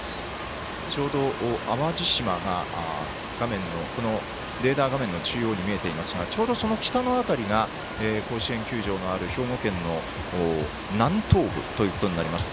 ちょうど淡路島がレーダー画面の中央に見えていますがちょうど、その北の辺りが甲子園球場のある兵庫県南東部となります。